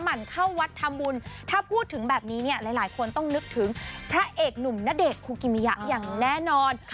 หั่นเข้าวัดทำบุญถ้าพูดถึงแบบนี้เนี่ยหลายคนต้องนึกถึงพระเอกหนุ่มณเดชนคุกิมิยะอย่างแน่นอน